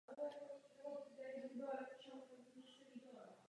Jednoduché mobilní aplikace se mohou pohybovat v nižších řádech stovek tisíců korun.